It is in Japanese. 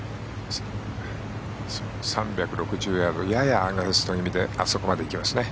３６０ヤードややアゲンスト気味であそこまで行きますね。